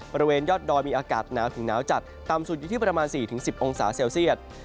บริเวณยอดดอยมีอากาศหนาวถึงหนาวจัดต่ำสุดอยู่ที่ประมาณ๔๑๐องศาเซลเซียต